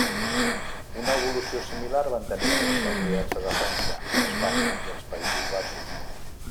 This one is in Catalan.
Una evolució similar van tenir comunitats diverses a França, Espanya i els Països baixos.